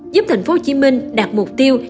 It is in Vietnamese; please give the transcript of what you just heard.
giúp tp hcm đạt mục tiêu